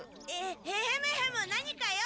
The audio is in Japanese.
ヘヘムヘム何か用？